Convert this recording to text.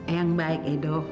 yang baik edho